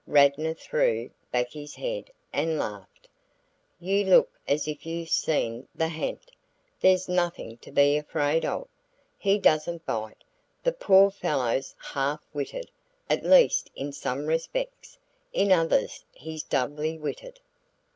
Radnor threw back his head and laughed. "You look as if you'd seen the ha'nt! There's nothing to be afraid of. He doesn't bite. The poor fellow's half witted at least in some respects; in others he's doubly witted."